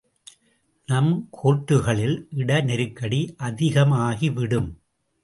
நம் கோர்ட்டுகளில் இட நெருக்கடி அதிகமாகிவிடும்.